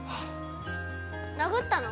殴ったの？